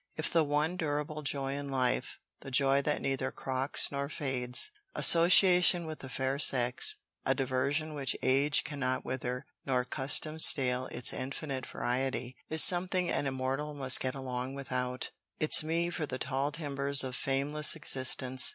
If the one durable joy in life, the joy that neither crocks nor fades, association with the fair sex, a diversion which age cannot wither nor custom stale its infinite variety, is something an Immortal must get along without, it's me for the tall timbers of fameless existence.